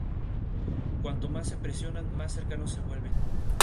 Cuanto más se presionan, más cercanos se vuelven.